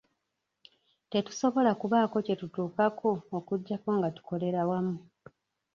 Tetusobola kubaako kye tutuukako okuggyako nga tukolera wamu.